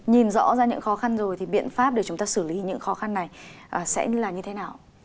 nhìn rõ ra những khó khăn rồi thì biện pháp để chúng ta xử lý những khó khăn này sẽ là như thế nào